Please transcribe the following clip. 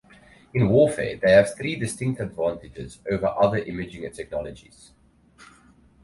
In warfare, they have three distinct advantages over other imaging technologies.